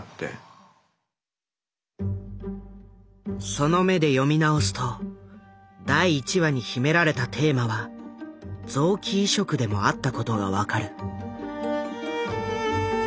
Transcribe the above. その目で読み直すと第１話に秘められたテーマは臓器移植でもあったことが分かる。